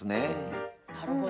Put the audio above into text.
なるほど。